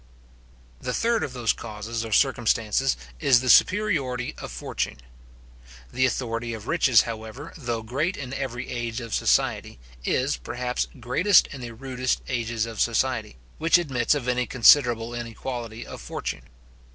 The third of those causes or circumstances, is the superiority of fortune. The authority of riches, however, though great in every age of society, is, perhaps, greatest in the rudest ages of society, which admits of any considerable inequality of fortune.